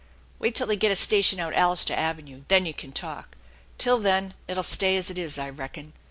Wait till they get a station out Allister Avenue; then you can talk. Till then it'll stay as it is, I reckon.